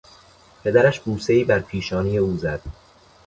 پدرش بوسهای بر پیشانی او زد.